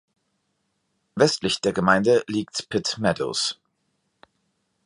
Westlich der Gemeinde liegt Pitt Meadows.